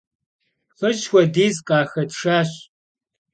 Xiş' xuediz khaxetşşaş.